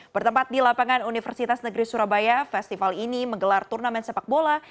bertempat di lapangan universitas negeri surabaya festival ini menggelar turnamen sepak bola